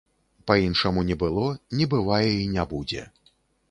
Па-іншаму не было, не бывае і не будзе.